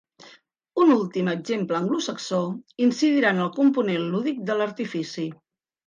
Un últim exemple anglosaxó incidirà en el component lúdic de l'artifici.